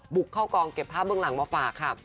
บุกเข้ากองเก็บภาพเบื้องหลังมาฝากค่ะ